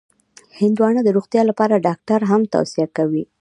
هندوانه د روغتیا لپاره ډاکټر هم توصیه کوي.